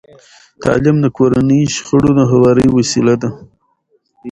تعلیم د کورني شخړو د هواري وسیله ده.